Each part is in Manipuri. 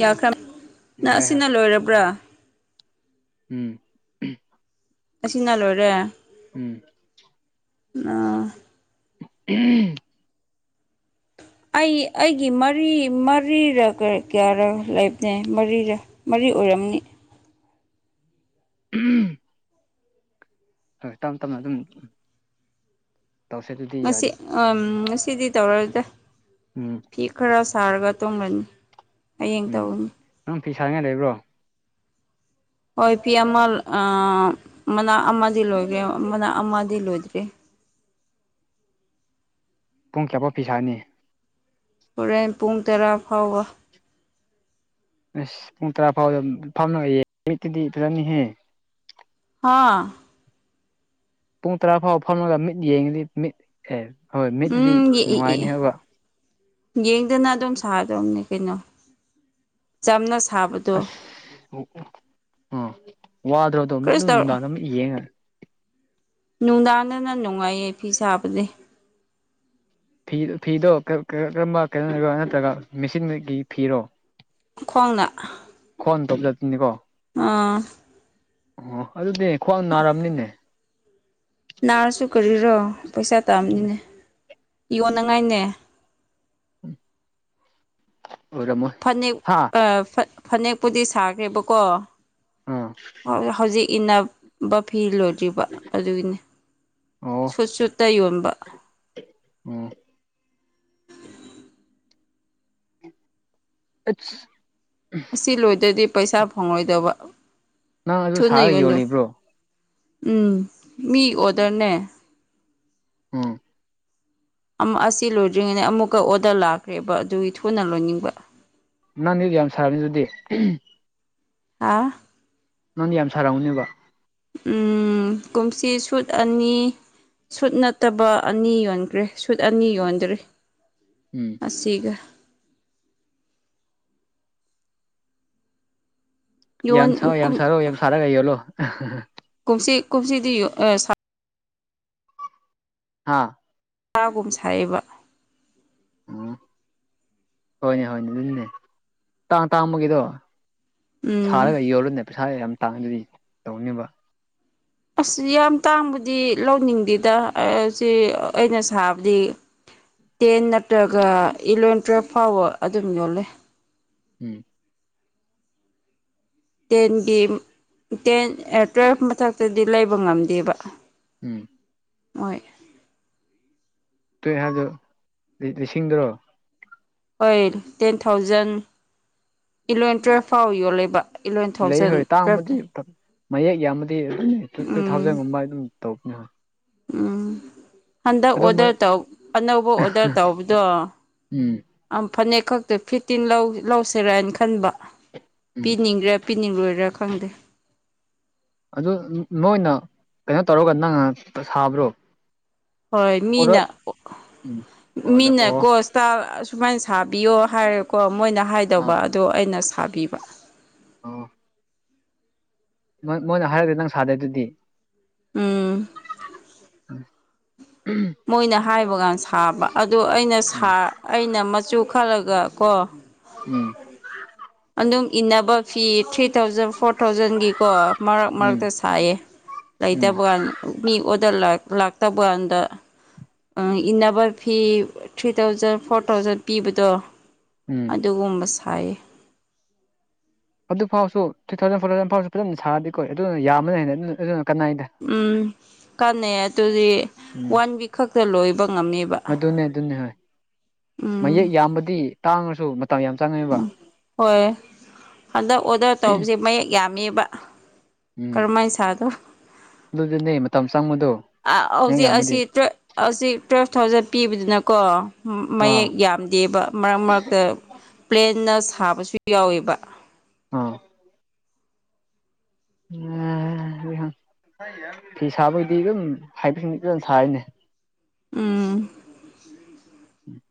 ꯌꯥꯈ꯭ꯔ ꯅꯪ ꯌꯥꯏ ꯍꯣꯏ ꯑꯁꯤꯅ ꯂꯣꯏꯔꯕ꯭ꯔꯥ ꯎꯝ ꯑꯁꯤꯅ ꯂꯣꯏꯔꯦ ꯎꯝ ꯑꯥ ꯎꯝ ꯑꯩꯒꯤ ꯃꯔꯤ ꯃꯔꯤꯔ ꯀꯌꯥꯔ ꯂꯩꯕꯅꯦ ꯑꯗꯨꯔꯤ ꯑꯣꯏꯔꯝꯅꯤ ꯎꯝ ꯍꯣꯏ ꯇꯞ ꯇꯞꯅ ꯑꯗꯨꯝ ꯎꯝ ꯉꯁꯤ ꯉꯁꯤꯗꯤ ꯇꯧꯔꯗ ꯎꯝ ꯐꯤ ꯈꯔ ꯁꯥꯔꯒ ꯇꯣꯡꯂꯅꯤ ꯍꯌꯦꯡ ꯇꯧꯅꯤ ꯐꯩ ꯁꯥꯅꯤꯡꯉꯥꯏ ꯂꯩꯕ꯭ꯔꯣ ꯍꯣꯏ ꯐꯤ ꯑꯃ ꯃꯅꯥ ꯑꯃꯗꯤ ꯂꯣꯏꯈ꯭ꯔꯦ ꯃꯅꯥ ꯑꯃꯗꯤ ꯂꯣꯏꯗ꯭ꯔꯦ [unintelligible] ꯄꯨꯡ ꯀꯌꯥꯄ ꯄꯩꯤꯁꯥꯅꯤ ꯍꯣꯔꯦꯟ ꯄꯨꯡ ꯇꯔꯥ ꯐꯥꯎꯕ ꯑꯁ ꯄꯨꯡ ꯇꯔꯥ ꯐꯥꯎꯗ ꯐꯝꯅꯑꯦ ꯅꯨꯃꯤꯠꯇꯨꯗꯤ ꯐꯖꯅꯤꯍꯦ [inaudible] ꯄꯨꯡ ꯇꯔꯥ ꯐꯥꯎ ꯐꯝꯃꯒ ꯃꯤꯠ ꯌꯦꯡꯉꯗꯤ ꯃꯤꯠ ꯑꯦꯦ ꯍꯣꯏ ꯃꯤꯠꯇꯨꯗꯤ ꯎꯝ ꯅꯨꯡꯉꯥꯏꯅꯤ ꯍꯥꯏꯕ ꯌꯦꯡꯗꯅ ꯑꯗꯨꯝ ꯁꯥꯗꯧꯅꯦ ꯀꯩꯅꯣ ꯆꯝꯅ ꯁꯥꯕꯗꯣ ꯑꯁ ꯎ ꯋꯥꯗ꯭ꯔꯣꯗꯣꯝ ꯀꯔꯤꯁꯨ ꯑꯗꯨꯝ ꯇꯧ ꯅꯨꯡꯗꯥꯡ ꯑꯃ ꯌꯦꯡꯉꯒꯦ ꯅꯨꯡꯗꯥꯡꯗꯅ ꯅꯨꯡꯉꯥꯏꯌꯦ ꯐꯤ ꯁꯥꯕꯗꯤ ꯐꯤ ꯐꯤꯗꯣ ꯀꯔꯝꯕ ꯀꯩꯅꯣ ꯑꯣꯏꯔꯣ ꯅꯠꯇ꯭ꯔꯒ ꯃꯦꯆꯤꯟꯒꯤ ꯐꯤꯔꯣ ꯈꯡꯅ ꯟꯅꯤ ꯀꯣ ꯑꯥ ꯑꯣ ꯑꯗꯨꯗꯤ ꯈ꯭ꯋꯥꯡ ꯅꯥꯔꯕꯝꯅꯤꯅꯦ ꯅꯥꯔꯁꯨ ꯀꯔꯤꯔꯣ ꯄꯩꯁꯥ ꯇꯥꯑꯕꯅꯤꯅꯦ ꯌꯣꯟꯅꯉꯥꯏꯅꯦ ꯎꯝ ꯐꯅꯦꯛ ꯐꯅꯦꯛꯄꯨꯗꯤ ꯁꯥꯈ꯭ꯔꯦꯕꯀꯣ ꯑꯥ ꯍꯧꯖꯤꯛ ꯏꯅꯥꯕ ꯐꯤ ꯂꯣꯏ ꯭ꯔꯤꯕ ꯑꯗꯨꯒꯤꯅꯤ ꯑꯣ ꯁꯨꯠ ꯁꯨꯠꯇ ꯌꯣꯟꯕ ꯎꯝ ꯑ ꯉꯁꯤ ꯂꯣꯏꯗ꯭ꯔꯗꯤ ꯄꯩꯁꯥ ꯐꯪꯂꯪꯂꯣꯏꯗꯕ ꯅꯪ ꯑꯗꯨ ꯁꯥꯔꯒ ꯌꯣꯜꯂꯤꯕ꯭ꯔꯣ ꯎꯝ ꯃꯤ ꯑꯣꯗꯔꯅꯦ ꯎꯝ ꯑꯁꯤ ꯂꯣꯏꯗ꯭ꯔꯤꯉꯩꯗ ꯑꯃꯨꯛꯀ ꯑꯣꯗꯔ ꯂꯥꯛꯈ꯭ꯔꯦꯕ ꯑꯗꯨꯒꯤ ꯊꯨꯅ ꯂꯣꯏꯅꯤꯡꯕ ꯅꯪꯅꯦꯗꯤ ꯌꯥꯝ ꯁꯥꯔꯅꯤ ꯑꯗꯨꯗꯤ ꯑ ꯅꯪꯗꯤ ꯌꯥꯝ ꯁꯥꯔꯎꯅꯦꯕ ꯎ ꯀꯨꯝꯁꯤ ꯁꯨꯠ ꯑꯅꯤ ꯁꯨꯠ ꯅꯠꯇꯕ ꯑꯅꯤ ꯌꯣꯟꯈ꯭ꯔꯦ ꯁꯨꯠ ꯑꯅꯤ ꯌꯣꯟꯗ꯭ꯔꯤ ꯎꯝ ꯑ ꯁꯤꯒ ꯌꯣꯟ ꯌꯥꯝ ꯁꯣ ꯀꯨꯝ ꯌꯥꯝ ꯁꯔꯣ ꯌꯥꯝ ꯁꯔꯥ ꯌꯣꯜꯂꯣ ꯀꯨꯝꯁꯤꯗꯤꯌ ꯑ ꯍꯥꯥ ꯆꯥꯒꯨꯝ ꯁꯥꯏꯕ ꯎꯝ ꯍꯣꯏꯅꯦ ꯍꯣꯏꯅꯦ ꯑꯗꯨꯅꯦ ꯇꯥꯡ ꯇꯥꯡꯕꯒꯤꯗꯣ ꯎꯝ ꯁꯥꯔꯒ ꯌꯣꯜꯂꯗꯅ ꯄꯩꯁꯥ ꯌꯥꯝ ꯇꯥꯡꯗ꯭ꯔꯗꯤ ꯇꯧꯅꯦꯕ ꯑꯁ ꯌꯥꯝ ꯇꯥꯡꯕꯗꯤ ꯂꯧꯅꯤꯡꯗꯦꯗ ꯁꯤ ꯑꯩꯅ ꯁꯥꯕꯗꯤ ꯇꯦꯟ ꯅꯠꯇ꯭ꯔꯒ ꯏꯂꯚꯦꯟ ꯇꯨꯋꯦꯜꯐ ꯐꯥꯎꯕ ꯑꯗꯨꯝ ꯌꯣꯂꯦ ꯎꯝ ꯇꯦꯟꯒꯤ ꯇꯦꯟ ꯇꯨꯋꯦꯜꯐ ꯃꯊꯛꯇꯗꯤ ꯂꯩꯕ ꯉꯝꯗꯦꯕ ꯎꯝ ꯃꯣꯏ ꯇꯣꯏ ꯍꯥꯏꯗ ꯂꯤꯁꯤꯡꯗꯔꯣ ꯍꯣꯏ ꯇꯦꯟ ꯊꯥꯎꯖꯟ ꯏꯂꯚꯦꯟ ꯇꯨꯋꯦꯜꯐ ꯐꯥꯎ ꯌꯣꯜꯂꯦꯕ ꯏꯂꯚꯦꯟ ꯂꯩ ꯊꯥꯎꯖꯟ ꯍꯣꯏ ꯇꯥꯃ ꯇꯨꯋꯦꯜꯐ ꯃꯌꯦꯛ ꯌꯥꯝꯕꯗꯤ ꯑꯗꯨ ꯇꯨ ꯎꯝ ꯊꯥꯎꯖꯟꯒꯨꯝꯕ ꯑꯗꯨꯝ ꯇꯧꯕꯅꯤ ꯎꯝ ꯍꯟꯗꯛ ꯑꯣꯗꯔ ꯇꯧ ꯑꯅꯧꯕ ꯑꯣꯗꯔ ꯇꯧꯕꯗꯣ ꯎꯝ ꯑ ꯐꯅꯦꯛ ꯈꯛꯇꯣ ꯐꯤꯠꯇꯤꯟ ꯂꯧꯁꯤꯔꯅ ꯈꯟꯕ ꯎꯝ ꯄꯤꯅꯤꯡꯒ꯭ꯔꯥ ꯄꯤꯅꯤꯡꯂꯣꯏꯔꯥ ꯐꯪꯗꯦ ꯑꯗꯨ ꯅꯣꯏꯅ ꯀꯩꯅꯣ ꯇꯧꯔꯒ ꯅꯪ ꯉ ꯁꯥꯕ꯭ꯔꯣ ꯍꯣꯏ ꯑꯣꯔ ꯃꯤꯅ ꯎꯝ ꯑꯣꯔꯗ ꯃꯤꯅ ꯑꯣ ꯀꯣꯁꯇꯥ ꯁꯨꯃꯥꯏꯅ ꯁꯥꯕꯤꯌꯣ ꯍꯥꯏꯔꯦꯀꯣ ꯃꯣꯏꯅ ꯍꯥꯏꯗꯧꯕ ꯑꯗꯣ ꯑꯩꯅ ꯁꯥꯕꯤꯕ ꯑ ꯃꯣꯏꯅ ꯍꯥꯏꯔꯛꯇꯦ ꯅꯪ ꯁꯥꯗꯦ ꯑꯗꯨꯗꯤ ꯎꯝ ꯎꯝ ꯃꯣꯏꯅ ꯍꯥꯏꯕ ꯀꯥꯟ ꯁꯥꯕ ꯑꯗꯨ ꯑꯩꯅ ꯑꯩꯅ ꯆꯣ ꯈꯥꯂꯒ ꯀꯣ ꯎꯝ ꯑꯗꯨꯝ ꯏꯟꯅꯕ ꯐꯤ ꯊ꯭ꯔꯤ ꯊꯥꯎꯖꯟ ꯐꯣꯔ ꯊꯥꯎꯖꯟꯒꯤꯀꯣ ꯃꯔꯛ ꯎꯝ ꯃꯔꯛꯇ ꯁꯥꯏꯌꯦ ꯎꯝ ꯂꯩꯇꯕ ꯀꯥꯟ ꯃꯤ ꯑꯣꯗ ꯂꯥꯛꯇꯕ ꯀꯥꯟꯗ ꯏꯟꯅꯕ fee three thousand four thousand ꯄꯤꯕꯗꯣ ꯎꯝ ꯑꯗꯨꯒꯨꯝꯕ ꯁꯥꯏ ꯑꯗꯨꯐꯥꯎꯁꯨ ꯊ꯭ꯔꯤ ꯊꯥꯎꯖꯟ ꯐꯣꯔ ꯊꯥꯎꯖꯟ ꯐꯥꯎꯁꯨ ꯐꯖꯅ ꯁꯥꯔꯗꯤꯀꯣ ꯑꯗꯨꯅ ꯌꯥꯝꯃꯅꯦ ꯍꯥꯏꯅ ꯑꯗꯨ ꯑꯗꯨꯅ ꯀꯅꯥꯏꯗ ꯎꯝ ꯀ ꯇꯨꯗꯤ ꯎꯝ ꯋꯥꯟ ꯋꯤꯛ ꯈꯛꯇ ꯂꯣꯏꯕ ꯑꯗꯨꯅꯦ ꯃꯌꯦꯛ ꯌꯥꯝꯕꯗꯤ ꯇꯥꯡꯉꯁꯨ ꯃꯇꯝ ꯌꯥꯝ ꯆꯪꯉꯦꯕ ꯎꯝ ꯍꯣꯏ ꯍꯟꯗꯛ ꯑꯣꯗꯔ ꯇꯧꯕꯁꯦ ꯃꯌꯦꯛ ꯌꯥꯝꯃꯤꯕ ꯎꯝ ꯑꯗꯨ ꯃ ꯍꯧꯖꯤꯛ ꯑꯁꯤ ꯑꯁꯤ ꯇꯨꯌꯦꯜꯐ ꯊꯥꯎꯖꯟ ꯄꯤꯕꯗꯨꯅꯀꯣ ꯑꯥ ꯃꯌꯦꯛ ꯌꯥꯝꯗꯦꯕ ꯃꯔꯛ ꯃꯔꯛꯇ ꯄ꯭ꯂꯦꯟꯅ ꯁꯥꯕꯁꯨ ꯌꯥꯎꯋꯦꯕ ꯑꯥ ꯎꯍ ꯐꯤ ꯁꯥꯕꯒꯤꯗꯤ ꯑꯗꯨꯝ ꯍꯥꯏꯐꯠ ꯁꯥꯔꯤꯅꯦ ꯎꯝ ꯎꯝ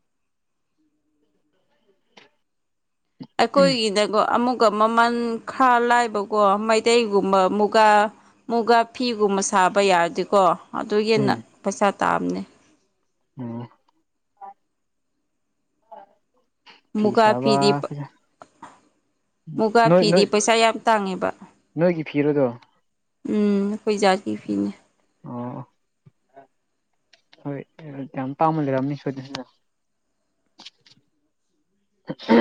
ꯑꯩꯈꯣꯏꯒꯤꯗꯀꯣ ꯑꯃꯨꯛ ꯃꯃꯟ ꯈꯔ ꯂꯥꯏꯕꯀꯣ ꯃꯩꯇꯩꯒꯨꯝꯕ ꯃꯨꯒꯥ ꯃꯨꯒꯥ ꯐꯤꯒꯨꯝꯕ ꯁꯥꯕ ꯌꯥꯔꯗꯤꯀꯣ ꯑꯗꯨꯒꯤ ꯍꯦꯟꯅ ꯎꯝ ꯄꯩꯁꯥ ꯇꯥꯑꯕꯅꯦ ꯎꯝ ꯐꯤ ꯃꯨꯒꯥꯥ ꯐꯤꯗꯤꯞ ꯁꯥꯕ ꯃꯨꯒꯥ ꯅꯣꯏ ꯐꯤꯗꯤ ꯄꯩꯁꯥ ꯌꯥꯝ ꯇꯥꯡꯉꯦꯕ ꯐꯤꯔꯗꯣ ꯎꯝ ꯀꯣꯏ ꯌꯥꯒꯤ ꯐꯤꯅꯦ ꯑꯣ ꯍꯣꯏ ꯌꯥꯝ ꯌꯥꯝ ꯇꯥꯃ ꯂꯩꯔꯅꯤ ꯁꯗ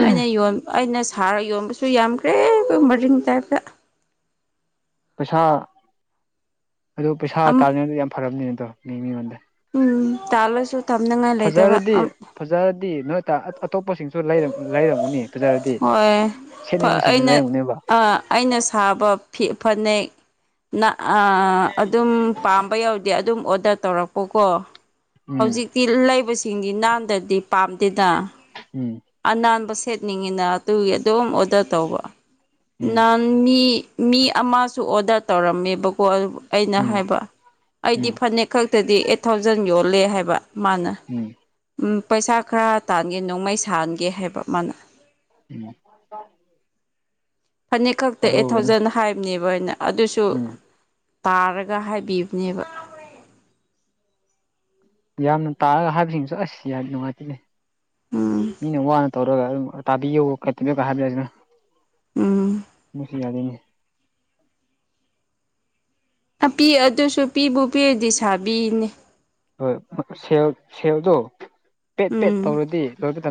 ꯑꯩꯅ ꯌꯣꯟ ꯑꯩꯅ ꯁꯥꯔ ꯌꯣꯟꯕꯁꯨ ꯌꯥꯝꯈ꯭ꯔꯦ ꯑꯩ ꯃꯔꯤꯡ ꯇꯥꯏꯞꯇ ꯄꯩꯁꯥ ꯑꯗꯨ ꯄꯩꯁꯥ ꯑꯃ ꯇꯥꯔꯤꯉꯗ ꯌꯥꯝ ꯐꯔꯕꯅꯤꯅ ꯑꯗꯣ ꯃꯤ ꯃꯤꯉꯣꯟꯗ ꯎꯝ ꯇꯂꯁꯨ ꯐꯖꯔꯗꯤ ꯐꯖꯔꯗꯤ ꯅꯣꯏ ꯑꯇꯣꯞꯄꯁꯤꯡꯁꯨ ꯂꯩꯔꯝꯒꯅꯤ ꯐꯖꯔꯗꯤ ꯍ ꯁꯦꯠꯅꯤꯡꯕꯁꯤꯡꯅ ꯑꯩꯅ ꯂꯩꯔꯝꯒꯅꯦꯕ ꯑꯩꯅ ꯁꯥꯕ ꯐꯅꯦꯛ ꯅ ꯑꯗꯨꯝ ꯄꯥꯝꯕ ꯌꯥꯎꯗꯦ ꯑꯗꯨꯝ ꯑꯣꯗꯔ ꯇꯧꯔꯛꯄꯀꯣ ꯎꯝ ꯍꯧꯖꯤꯛꯇꯤ ꯂꯩꯕꯁꯤꯡꯗꯤ ꯅꯥꯟꯗ꯭ꯔꯗꯤ ꯄꯥꯝꯗꯦꯗ ꯎꯝ ꯑꯅꯥꯟꯕ ꯁꯦꯠꯅꯤꯡꯉꯤꯅ ꯑꯗꯨꯒꯤ ꯑꯗꯨꯝ ꯑꯣꯗꯔ ꯇꯧꯕ ꯎꯝ ꯅꯥꯟ ꯃꯤ ꯃꯤ ꯑꯃꯁꯨ ꯑꯣꯗꯔ ꯇꯧꯔꯝꯃꯦꯕꯀꯣ ꯑꯩꯅ ꯎꯝ ꯍꯥꯏꯕ ꯑꯩꯗꯤ ꯎꯝ ꯐꯅꯦꯛ ꯈꯛ ꯇꯗꯤ ꯑꯩꯠ ꯊꯥꯎꯖꯟ ꯌꯣꯜꯂꯦ ꯍꯥꯏꯕ ꯃꯥꯅ ꯎꯝ ꯎꯝ ꯄꯩꯁꯥ ꯈꯔ ꯇꯥꯟꯒꯦ ꯅꯣꯡꯃꯩ ꯁꯥꯍꯟꯒꯦ ꯍꯥꯏꯕ ꯃꯥꯅ ꯎꯝ ꯐꯅꯦꯛ ꯈꯛꯇ ꯑꯩꯠ ꯍꯔꯥꯎꯕꯅ ꯊꯥꯎꯖꯟ ꯍꯥꯏꯕꯅꯦꯕꯩꯅ ꯑꯗꯨꯁꯨ ꯎꯝ ꯇꯥꯔꯒ ꯍꯥꯏꯕꯤꯕꯅꯦꯕ ꯌꯥꯝꯅ ꯇꯥꯛꯑꯒ ꯍꯥꯏꯕꯁꯤꯡꯁꯨ ꯑꯁ ꯌꯥꯗꯤ ꯅꯨꯡꯉꯥꯏꯇꯦꯅꯦ ꯎꯝ ꯃꯤꯅ ꯋꯥꯅ ꯇꯧꯔꯒ ꯇꯥꯕꯤ ꯀ ꯀ ꯍꯥꯏꯕ ꯎꯝ ꯃꯁꯤ ꯌꯥꯗꯦꯅꯦ ꯄꯤ ꯑꯗꯨꯁꯨ ꯄꯤꯕꯨ ꯄꯤꯔꯗꯤ ꯁꯥꯕꯤꯅꯦ ꯍꯣꯏ ꯁꯦꯜ ꯁꯦꯜꯗꯣ ꯄꯦꯠ ꯄꯦꯠ ꯎꯝ ꯇꯧꯔꯗꯤ ꯂꯣꯏꯗ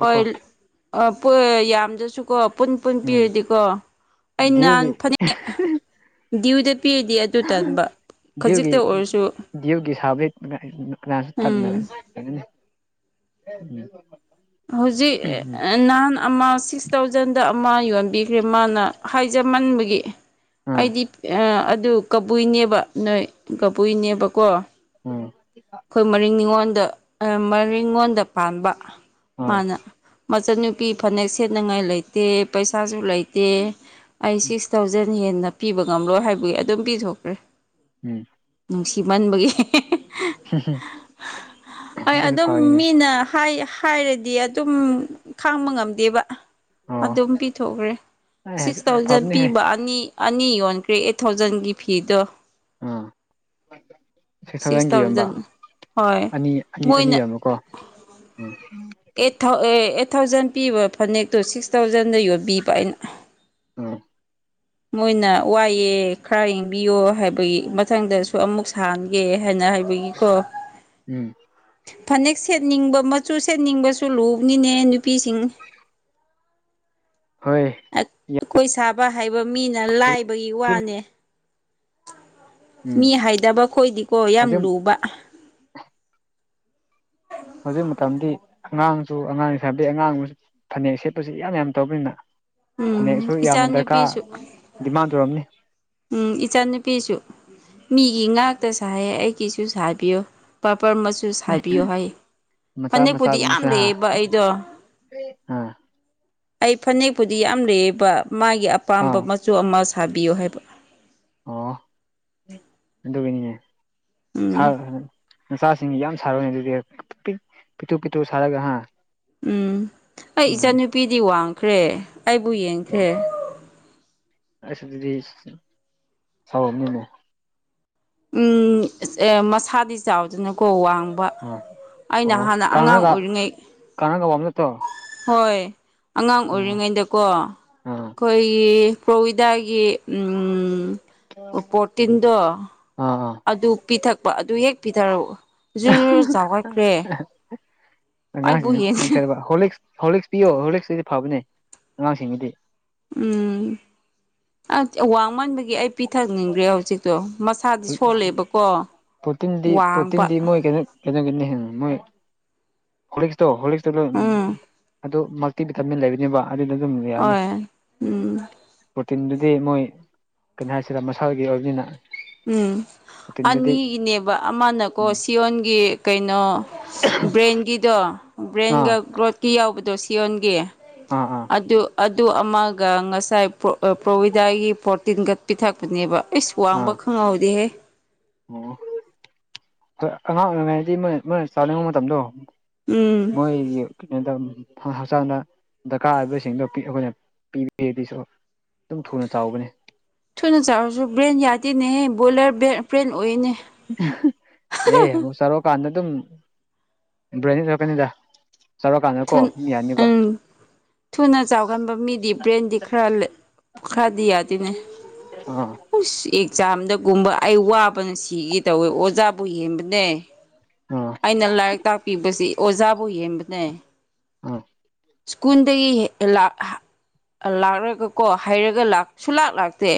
ꯍꯣꯏ ꯌꯥꯝꯗ꯭ꯔꯁꯨꯀꯣ ꯄꯨꯟ ꯄꯨꯟ ꯎꯝ ꯄꯤꯔꯗꯤꯀꯣ ꯑꯩꯅꯍꯥꯟ ꯗꯤꯌꯨꯒꯤ ꯐꯅꯦꯛ ꯗ꯭ꯌꯨ ꯗ ꯑꯣꯏꯔꯁꯨ ꯗꯒꯤ ꯎꯒꯤ ꯁꯥꯕ ꯀ ꯇ ꯎꯝ ꯍꯧꯖꯤꯛ ꯅꯍꯥꯟ ꯑꯃ ꯁꯤꯛꯁ ꯊꯥꯎꯖꯟꯗ ꯑꯃ ꯌꯣꯟꯕꯤꯈ꯭ꯔꯦ ꯃꯥꯅ ꯍꯥꯏꯖꯃꯟꯕꯒꯤ ꯑꯥ ꯑꯩꯗꯤ ꯑꯗꯨ ꯀꯕꯨꯏꯅꯦꯕ ꯅꯣꯏ ꯀꯕꯨꯏꯅꯦꯕꯀꯣ ꯎꯝ ꯑꯩꯈꯣꯏ ꯃꯔꯤꯡ ꯅꯤꯉꯣꯟꯗ ꯃꯔꯤꯉꯣꯟꯗ ꯄꯥꯟꯕ ꯑꯥ ꯃꯥꯅ ꯃꯅꯤ ꯄꯤꯤ ꯐꯅꯦꯛ ꯁꯦꯠꯅꯉꯥꯏ ꯂꯩꯇꯦ ꯄꯩꯁꯥꯁꯨ ꯂꯩꯇꯦ ꯑꯩ ꯁꯤꯛꯁ ꯊꯥꯎꯖꯟ ꯍꯦꯟꯅ ꯄꯤꯕ ꯉꯝꯂꯣꯏ ꯍꯥꯏꯕꯒꯤ ꯑꯗꯨꯝ ꯄꯤꯊꯣꯛꯈ꯭ꯔꯦ ꯎꯝ ꯅꯨꯡꯁꯤꯃꯟꯕꯒꯤ ꯝ ꯑꯩ ꯑꯗꯨꯝ ꯃꯤꯅ ꯍꯥꯏꯔꯗꯤ ꯑꯗꯨꯝ ꯈꯥꯡꯕ ꯉꯝꯗ ꯗꯦꯕ ꯑꯣ ꯑꯗꯨꯝ ꯄꯤꯊꯣꯛꯈ꯭ꯔꯦ ꯁꯤꯛꯁ ꯊꯥꯎꯖꯟ ꯐꯕꯅꯦꯍꯦ ꯄꯤꯕ ꯑꯅꯤ ꯑꯅꯤ ꯌꯣꯟ ꯀ꯭ꯔꯦ ꯑꯩꯠ ꯊꯥꯎꯖꯟꯒꯤ ꯐꯤꯗꯣ ꯑꯥ ꯁꯤꯛꯁ ꯊꯥꯎꯖꯟꯒꯤ ꯌꯣꯟꯕ ꯊꯥꯎꯖꯟ ꯍꯣꯏ ꯑꯅꯤ ꯑꯅꯤ ꯑꯅꯤ ꯃꯣꯏꯅ ꯑꯃꯨꯀꯣ ꯎꯝ ꯑꯩꯠ ꯑꯩꯠ ꯊꯥꯎꯖꯟ ꯄꯤꯕ ꯐꯅꯦꯛꯇꯣ ꯁꯤꯛꯁ ꯊꯥꯎꯖꯟ ꯑꯗꯨꯟꯗ ꯌꯣꯕꯤꯕ ꯑꯅ ꯎꯝ ꯃꯣꯏꯅ ꯋꯥꯏꯑꯦ ꯈꯔ ꯌꯦꯡꯕꯤꯌꯣ ꯍꯥꯏꯕꯒꯤ ꯃꯊꯪꯗꯁꯨ ꯑꯃꯨꯛ ꯁꯥꯍꯟꯒꯦ ꯍꯥꯏꯅ ꯍꯥꯏ ꯒꯤꯀꯣ ꯎꯝ ꯐꯅꯦꯛ ꯁꯦꯠꯅꯤꯡꯕ ꯃꯆꯨ ꯁꯦꯠꯅꯤꯡꯕꯁꯨ ꯂꯨꯕꯅꯤꯅꯦ ꯅꯨꯄꯤꯁꯤꯡ ꯍꯣꯏ ꯑꯩꯈꯣꯏ ꯁꯥꯕ ꯍꯥꯏꯕ ꯃꯤꯅ ꯂꯥꯏꯕꯒꯤ ꯋꯥꯅꯦ ꯎꯝ ꯃꯤ ꯍꯥꯏꯗꯕ ꯈꯣꯏꯗꯤꯀꯣ ꯌꯥꯝ ꯍꯧꯖꯤꯛ ꯂꯨꯕ ꯍꯧꯖꯤꯛ ꯃꯇꯝꯗꯤ ꯑꯉꯥꯡꯁꯨ ꯑꯉꯥꯡ ꯁꯥꯕꯤ ꯑꯉꯥꯡꯁꯨ ꯐꯅꯦꯛ ꯁꯦꯠꯄꯁꯤ ꯌꯥꯝ ꯌꯥꯝ ꯇꯧꯕꯅꯤꯅ ꯎꯝ ꯐꯅꯦꯛꯁꯨ ꯌꯥꯝꯅ ꯗꯔꯀꯥꯔ ꯏꯆꯥꯅꯨꯄꯤꯁꯨ ꯗꯤꯃꯥꯟ ꯇꯧꯔꯝꯅꯤ ꯎꯝ ꯏꯆꯥꯅꯨꯄꯤꯁꯨ ꯃꯤꯒꯤ ꯉꯥꯛꯇ ꯁꯥꯏꯌꯦ ꯑꯩꯒꯤꯁꯨ ꯁꯥꯕꯤꯌꯨ ꯀꯄꯔ ꯃꯆꯨ ꯁꯥ ꯍꯥꯏꯕꯤꯌꯣ ꯍꯥꯏ ꯃꯆꯥ ꯐꯅꯦꯛꯄꯨꯗꯤ ꯌꯥꯝ ꯃꯆꯥꯒꯨꯝꯕꯁꯨ ꯑꯥ ꯂꯩꯑꯦꯕ ꯑꯩꯗꯣ ꯑꯥ ꯑꯩ ꯐꯅꯦꯛꯄꯨꯗꯤ ꯌꯥꯝ ꯂꯩꯌꯦꯕ ꯃꯥꯒꯤ ꯑꯄꯥꯝꯕ ꯑꯥ ꯃꯆꯨ ꯑꯃ ꯁꯥꯕꯤꯌꯨ ꯍꯥꯏꯕ ꯑꯣ ꯑꯗꯨꯒꯤꯅꯤꯅꯦ ꯎꯝ ꯅꯆꯥꯁꯤꯡ ꯌꯥꯝ ꯁꯥꯔꯣꯏꯅꯦ ꯑꯗꯨꯗꯤ ꯄꯤꯛꯇꯨ ꯄꯤꯛꯇꯨ ꯁꯥꯔꯒ ꯍꯥ ꯎꯝ ꯑꯩ ꯏꯆꯥꯟꯅꯨꯄꯤꯗꯤ ꯋꯥꯡꯈ꯭ꯔꯦ ꯑꯩꯕꯨ ꯌꯦꯡꯈ꯭ꯔꯦ ꯑꯁ ꯑꯗꯨꯤꯗꯤ ꯁꯅꯤꯅ ꯎꯝ ꯑꯦ ꯃꯁꯥꯗꯤ ꯆꯥꯎꯗꯅꯀꯣ ꯋꯥꯡ ꯑꯥ ꯑꯩꯅ ꯑꯣ ꯍꯥꯟꯅ ꯑꯉꯥꯡ ꯀꯪꯔꯒ ꯑꯣꯏꯔꯤꯉꯩ ꯀꯪꯔꯒ ꯋꯥꯕ ꯅꯠꯇ꯭ꯔꯣ ꯍꯣꯏ ꯑꯉꯥꯡ ꯑꯥ ꯑꯣꯏꯔꯤꯉꯩꯗꯀꯣ ꯑꯥ ꯑꯩꯈꯣꯏꯒꯤ ꯄ꯭ꯔꯣꯕꯤꯗꯥꯒꯤ ꯄꯣꯔꯇꯤꯟꯗꯣ ꯑꯥ ꯑꯥ ꯑꯗꯨ ꯄꯤꯊꯛꯄ ꯑꯗꯨ ꯍꯦꯛ ꯄꯤꯊꯔꯛꯎ ꯖꯨ ꯨ ꯖꯒꯠꯈ꯭ꯔꯦ ꯑꯉꯥꯡꯁꯤꯡꯅ ꯅꯝꯊꯔꯕ ꯍꯣꯂꯤꯛꯁ ꯍꯣꯂꯤꯛꯁ ꯄꯤꯌꯣ ꯍꯣꯂꯤꯛꯁꯇꯗꯤ ꯐꯕꯅꯦ ꯑꯉꯥꯡꯁꯤꯡꯕꯨꯗꯤ ꯎꯝ ꯋꯥꯡꯃꯟꯕꯒꯤ ꯑꯩ ꯄꯤꯊꯛꯅꯤꯡꯈ꯭ꯔꯦ ꯍꯧꯖꯤꯛꯇꯣ ꯃꯁꯥꯗꯤ ꯁꯣꯜꯂꯦꯕꯀꯣ ꯄ꯭ꯔꯣꯇꯤꯟꯗꯤ ꯋꯥꯡꯕ ꯄ꯭ꯔꯣꯇꯤꯟꯗꯤ ꯃꯣꯏ ꯀꯩꯅ ꯀꯩꯅꯣꯒꯅꯤꯦ ꯃꯣꯏ ꯍꯣꯂꯤꯛꯁꯇꯣ ꯍꯣꯂꯤꯛꯁꯇꯣ ꯂꯣꯏ ꯎ ꯎꯝ ꯑꯗꯨ ꯃꯜꯇꯤꯚꯤꯇꯥꯃꯤꯟ ꯂꯩꯕꯅꯦꯕ ꯑꯗꯗ ꯑꯗꯨꯝ ꯌꯥ ꯌꯥꯅꯤ ꯍꯣꯏ ꯎꯝ ꯇꯤꯟꯗꯨꯗꯤ ꯃꯣꯏ ꯀꯩꯅꯣ ꯍꯥꯏꯁꯤꯔ ꯃꯁꯥꯒꯤ ꯑꯣꯏꯕꯅꯤꯅ ꯎꯝ ꯄ꯭ꯔꯣꯇꯤꯟꯗꯨꯗꯤ ꯑꯅꯤꯒꯤꯅꯦꯕ ꯑꯃꯅꯀꯣ ꯁꯤꯌꯣꯟꯒꯤ ꯀꯩꯅꯣ ꯕ꯭ꯔꯦꯟꯒꯤꯗꯣ ꯑꯥ ꯕ꯭ꯔꯦꯟꯒ ꯒ꯭ꯔꯣꯠꯀꯤ ꯌꯥꯎꯕꯗꯣ ꯁꯤ ꯑꯣꯣꯟꯒꯦ ꯑꯥ ꯑꯥ ꯑꯗꯨ ꯑꯗꯨ ꯑꯃꯒ ꯉꯁꯥꯏ ꯄ꯭ꯔꯣꯕꯤꯗꯥꯒꯤ ꯄꯣꯔꯇꯤꯟꯒ ꯄꯤꯊꯛꯄꯅꯦꯕ ꯑꯩꯁꯨ ꯋꯥꯡꯕ ꯑꯥ ꯈꯪꯍꯧꯗꯦꯍꯦ ꯑꯣ ꯑ ꯑꯉꯥꯡ ꯑꯣꯏꯔꯤꯉꯩꯗꯤ ꯃꯣꯏ ꯃꯣꯏ ꯆꯥꯅꯤꯡꯕ ꯃꯇꯝꯗꯣ ꯎꯝ ꯃꯣꯏ ꯀ ꯇ ꯍꯛꯆꯥꯡꯗ ꯗꯔꯀꯥꯔ ꯑꯣꯏꯕꯁꯤꯡꯗꯣ ꯑꯩꯈꯣꯏꯅ ꯄꯤꯕꯤꯗꯤꯁꯨ ꯑꯗꯨꯝ ꯊꯨꯅ ꯆꯥꯎꯒꯅꯤ ꯊꯨꯅ ꯆꯥꯎꯥꯔꯁꯨ ꯕ꯭ꯔꯦꯟ ꯌꯥꯗꯦꯅꯦꯍꯦ ꯕꯣꯏꯂꯔꯕ ꯑꯦ ꯍꯨ ꯁꯔꯣ ꯀꯥꯟꯅ ꯑꯗꯨꯝ ꯏ꯭ꯔꯣꯏꯅꯤ ꯊꯣꯛꯔꯛꯀꯅꯤꯗ ꯎꯝ ꯊꯨꯅ ꯆꯥꯎꯒꯟꯕ ꯃꯤꯗꯤ ꯕ꯭ꯔꯦꯟꯗꯤ ꯈꯔ ꯄꯨ ꯈꯥꯗꯤꯌꯥ ꯑꯥ ꯑꯗꯨꯅꯦꯁꯤ ꯑꯦꯛꯖꯥꯝꯗꯒꯨꯝꯕ ꯑꯩ ꯋꯥꯕꯅ ꯁꯤꯒ ꯇꯧꯋꯦ ꯑꯣꯖꯥꯕꯨ ꯍꯦꯟꯕꯅꯦ ꯑꯥ ꯑꯩꯅ ꯂꯥꯏꯔꯤꯛ ꯇꯥꯛꯄꯤꯕꯁꯤ ꯑꯣꯖꯥꯕꯨ ꯌꯦꯡꯕꯅꯦ ꯑꯥ ꯂꯥꯛꯂꯒꯀꯣ ꯍꯥꯏꯩꯔꯒ ꯂ ꯁꯨꯂꯥꯛ ꯂꯥꯛꯇꯦ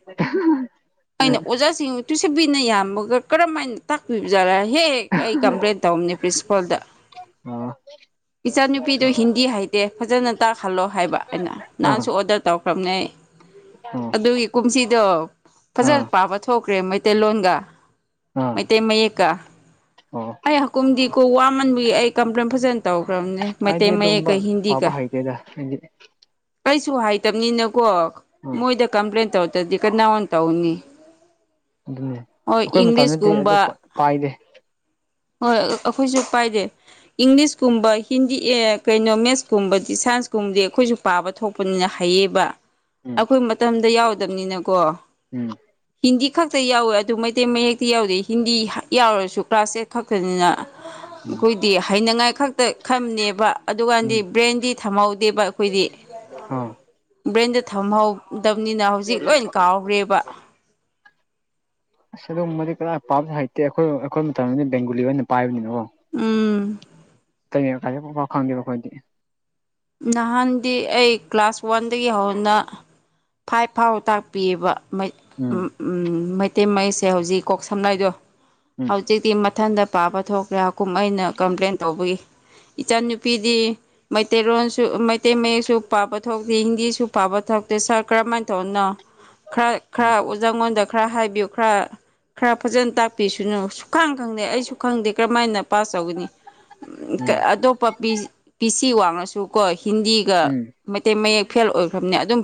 [unintelligible] ꯑꯩꯅ ꯑꯣꯖꯥꯁꯤꯡ ꯇꯨꯁꯟꯕꯤꯅ ꯌꯥꯝꯃꯒ ꯀꯔꯝ ꯍꯥꯏꯅ ꯇꯥꯛꯄꯤꯕꯖꯥꯔꯥ ꯍꯦꯛꯦꯛ ꯑꯩ ꯀꯝꯄ꯭ꯂꯦꯟ ꯇꯧꯅꯦ ꯄ꯭ꯔꯤꯟꯁꯤꯄꯥꯜꯗ ꯑꯥ ꯏꯆꯥꯅꯨꯄꯤꯗꯨꯣ ꯍꯤꯟꯗꯤ ꯍꯥꯏꯇꯦ ꯐꯖꯅ ꯇꯥꯛ ꯈꯜꯂꯣ ꯍꯥꯏꯕ ꯑꯩꯅ ꯑꯥ ꯅꯍꯥꯟꯁꯨ ꯑꯥ ꯑꯣꯔꯗꯔ ꯇꯧꯔꯛ ꯈꯝꯅꯩ ꯑꯗꯨꯒꯤ ꯀꯨꯝꯁꯤꯗꯣ ꯐꯖꯅ ꯑꯥ ꯄꯥꯕ ꯊꯣꯛ ꯍꯧꯈ꯭ꯔꯦ ꯃꯩꯇꯩꯂꯣꯟ ꯑꯥ ꯃꯩꯇꯩ ꯃꯌꯦꯛꯀ ꯑꯣ ꯑꯩ ꯍꯀꯨꯝꯗꯤ ꯀ ꯋꯥꯃꯟꯕꯒꯤ ꯑꯩ ꯀꯝꯄ꯭ꯂꯦꯟ ꯐꯖꯅ ꯇꯧꯒꯦ ꯝ ꯑꯩꯗꯤ ꯃꯩꯇꯩ ꯃꯌꯦꯛ ꯑꯗꯨꯒꯨꯝꯕ ꯀ ꯍꯤꯟꯗꯤ ꯄꯥꯕ ꯀ ꯍꯩꯇꯦꯗ ꯑꯩꯗꯤ ꯀꯩꯁꯨ ꯍꯥꯏꯇꯕꯅꯤꯅꯀꯣ ꯑꯥ ꯃꯣꯏꯗ ꯀꯝꯄ꯭ꯂꯦꯟ ꯇꯧꯔꯗ꯭ꯔꯗꯤ ꯀꯅꯥ ꯑꯣꯟ ꯇꯧꯅꯤ ꯑꯗꯨꯅꯦ ꯍꯣꯏ ꯑꯩꯈꯣꯏ ꯃꯇꯝꯗꯗꯤ ꯏꯪꯂꯤꯁꯀꯨꯝꯕ ꯑꯗꯨ ꯄꯥꯏꯗꯦ ꯍꯣꯏ ꯑꯩꯈꯣꯏꯁꯨ ꯄꯥꯏꯗꯦ ꯏꯪꯂꯤꯁꯀꯨꯝꯕ ꯍꯤꯟꯗꯤ ꯑꯦ ꯀꯩꯅꯣ ꯃꯦꯠꯁ ꯀꯨꯝꯕꯗꯤ ꯁꯥꯏꯟꯁꯀꯨꯝꯕꯗꯤ ꯑꯩꯈꯣꯏꯁꯨ ꯄꯥꯕ ꯊꯣꯛꯄꯅꯤꯅ ꯍꯌꯦꯕ ꯎꯝ ꯑꯩꯈꯣꯏ ꯃꯇꯝꯗ ꯌꯥꯎꯗꯕꯅꯤꯅꯀꯣ ꯎꯝ ꯍꯤꯟꯗꯤ ꯈꯛꯇ ꯌꯥꯎꯋꯦ ꯑꯗꯨ ꯃꯩꯇꯩ ꯃꯌꯦꯦꯛꯇꯤ ꯌꯥꯎꯗꯦ ꯍꯤꯟꯗꯤ ꯌꯥꯎꯔꯁꯨ ꯀ꯭ꯂꯥꯁ ꯑꯦꯠ ꯈꯛꯇꯅꯤꯅ ꯎꯝ ꯑꯩꯈꯣꯏꯗꯤ ꯍꯩꯅꯉꯥꯏ ꯈꯛꯇ ꯈꯝꯅꯦꯕ ꯎꯝ ꯑꯗꯨꯀꯥꯟꯗꯤ ꯕ꯭ꯔꯦꯟꯗꯤ ꯊꯝꯍꯧꯗꯦꯕ ꯑꯩꯈꯣꯏꯗꯤ ꯑꯥ ꯕ꯭ꯔꯦꯟꯗ ꯊꯝꯍꯧꯗꯕꯅꯤꯅ ꯍꯧꯖꯤꯛ ꯂꯣꯏ ꯀꯥꯎꯔꯦꯕ [inaudible] ꯑꯁ ꯑꯗꯨꯕꯗꯤ ꯀꯅꯥ ꯄꯥꯕꯁꯨ ꯍꯩꯇꯦ ꯑꯩꯈꯣꯏ ꯑꯩꯈꯣꯏ ꯃꯇꯝꯗꯗꯤ ꯕꯦꯡꯒꯣꯂꯤ ꯑꯣꯏꯅ ꯄꯥꯏꯕꯅꯤꯅꯣ ꯎꯝ ꯇꯩꯅꯥꯏꯦ ꯄꯥꯎ ꯈꯪꯗꯦꯕ ꯑꯩꯈꯣꯏꯗꯤ ꯅꯍꯥꯟꯗꯤ ꯑꯩ ꯀ꯭ꯂꯥꯁ ꯋꯥꯟꯗꯒꯤ ꯍꯧꯅ ꯐꯥꯏꯚ ꯐꯥꯎ ꯇꯥꯛꯄꯤꯑꯕ ꯎꯝ ꯃꯩꯇꯩ ꯃꯌꯦꯛꯁꯦ ꯍꯧꯖꯤꯛ ꯀꯣꯛ ꯁꯝꯅꯏꯗꯣ ꯎꯝ ꯍꯧꯖꯤꯛꯇꯤ ꯃꯊꯟꯇ ꯄꯥꯕ ꯊꯣꯛꯈ꯭ꯔꯦ ꯀꯨꯝ ꯑꯩꯅ ꯀꯝꯄ꯭ꯂꯦꯟ ꯇꯧꯕꯒꯤ ꯏꯆꯟꯅꯨꯄꯤꯗꯤ ꯇꯦꯔꯣꯟꯁꯨ ꯃꯩꯇꯩ ꯃꯌꯦꯛꯁꯨ ꯄꯥꯕ ꯊꯣꯛꯇꯦ ꯍꯤꯟꯗꯤꯁꯨ ꯄꯥꯕ ꯊꯣꯛꯇꯦ ꯁꯥꯔ ꯀꯔꯝꯍꯥꯏꯅ ꯇꯧꯅ ꯈꯔ ꯎꯝ ꯈꯔ ꯑꯣꯖꯥꯉꯣꯟꯗ ꯈꯔ ꯍꯥꯏꯕꯤꯌꯨ ꯈꯔ ꯈꯔ ꯐꯖꯅ ꯇꯥꯛꯄꯤꯁꯅꯨ ꯁꯨꯈꯥꯡ ꯈꯪꯗꯦ ꯑꯩꯁꯨ ꯈꯪꯗꯦ ꯀꯔꯝꯍꯥꯏꯅ ꯄꯥꯁ ꯇꯧꯒꯅꯤ ꯎꯝ ꯑꯇꯣꯞꯄ ꯍꯤꯟꯇꯤ ꯋꯥꯡꯅꯁꯨ ꯀꯣ ꯍꯤꯟꯗꯤꯒ ꯎꯝ ꯃꯩꯇꯩ ꯃꯌꯦꯛ ꯐꯦꯜ ꯑꯣꯏꯈ꯭ꯔꯕꯅꯦ ꯑꯗꯨꯝ